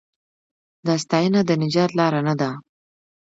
دا ستاینه د نجات لار نه ده.